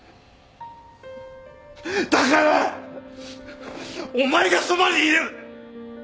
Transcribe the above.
だからお前がそばにいれば。